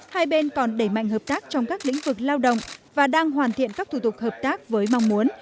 hai bên còn đẩy mạnh hợp tác trong các lĩnh vực lao động và đang hoàn thiện các thủ tục hợp tác với mong muốn